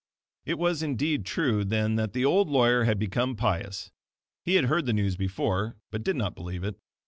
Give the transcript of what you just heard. It was, indeed, true then that the old lawyer had become pious. He had heard the news before, but did not believe it.